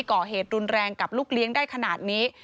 ก่อเหตุรุนแรงกับลูกเลี้ยงได้ขนาดนี้